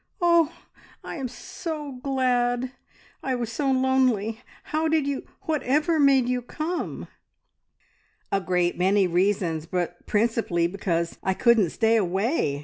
"Oh, I'm so glad! I was so lonely. How did you whatever made you come?" "A great many reasons, but principally because I couldn't stay away!"